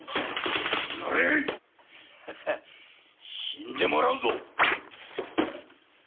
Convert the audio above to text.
死んでもらうぞ！